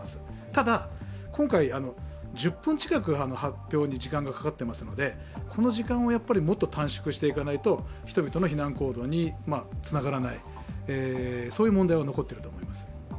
ただ、今回、１０分近く発表に時間がかかっていますのでこの時間をもっと短縮していかないと人々の避難行動につながらない、そういう問題は残っていると思います。